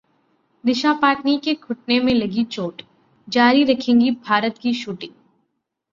दिशा पाटनी के घुटने में लगी चोट, जारी रखेंगी 'भारत' की शूटिंग?